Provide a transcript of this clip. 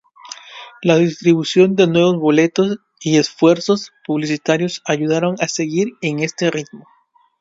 La distribución de nuevos boletos y esfuerzos publicitarios ayudaron a seguir con este ritmo.